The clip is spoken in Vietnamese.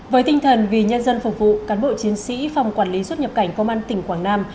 với tinh thần vì nhân dân phục vụ cán bộ chiến sĩ phòng quản lý xuất nhập cảnh công an tỉnh quảng nam